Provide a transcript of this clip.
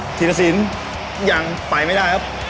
ธีรสินยังไปไม่ได้ครับ